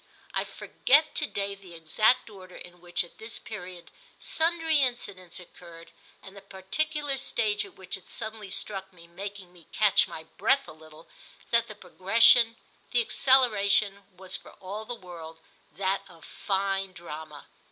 I forget to day the exact order in which, at this period, sundry incidents occurred and the particular stage at which it suddenly struck me, making me catch my breath a little, that the progression, the acceleration, was for all the world that of fine drama.